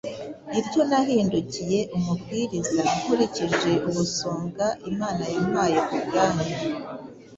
Iryo nahindukiye umubwiriza, nkurikije ubusonga Imana yampaye ku bwanyu,